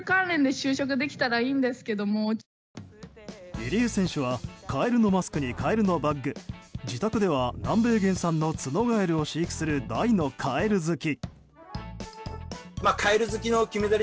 入江選手はカエルのマスクにカエルのバッグ自宅では南米原産のツノガエルを飼育する大のカエル好き。